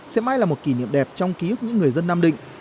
sẽ may là một kỷ niệm đẹp trong ký ức những người dân nam định